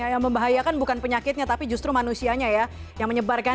yang membahayakan bukan penyakitnya tapi justru manusianya ya yang menyebarkan